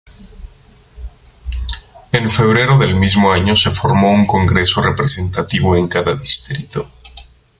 En febrero del mismo año, se formó un congreso representativo en cada distrito.